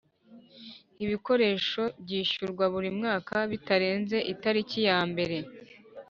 Ibikoresho byishyurwa buri mwaka bitarenze itariki ya mbere